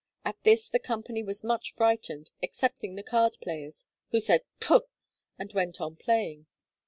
At this the company was much frightened, excepting the card players, who said 'Pw!' and went on playing.